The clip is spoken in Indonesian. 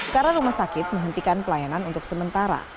karena rumah sakit menghentikan pelayanan untuk sementara